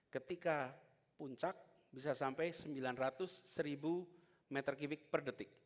ketika puncak bisa sampai sembilan ratus seribu m tiga per detik